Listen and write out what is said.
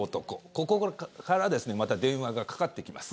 ここからまた電話がかかってきます。